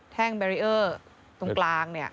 แท่งเบรียร์ตรงกลางเนี้ย